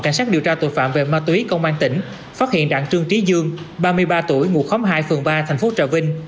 cảnh sát điều tra tội phạm về ma túy công an tỉnh phát hiện đặng trương trí dương ba mươi ba tuổi ngụ khóm hai phường ba thành phố trà vinh